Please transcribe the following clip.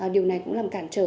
điều này cũng làm cản trở